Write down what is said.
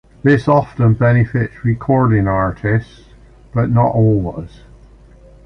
This often benefits recording artists, but not always.